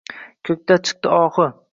ko’kka chikdi ohi